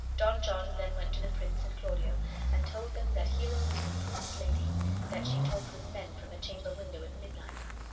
Don John then went to the prince and Claudio and told them that Hero was an imprudent lady, and that she talked with men from her chamber window at midnight.